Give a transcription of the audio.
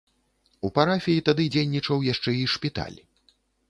У парафіі тады дзейнічаў яшчэ і шпіталь.